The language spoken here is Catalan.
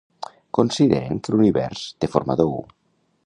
Consideren que l'univers té forma d'ou.